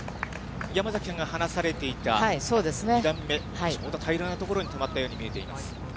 山崎さんが話されていた２段目、ちょうど平らな所に止まったように見えています。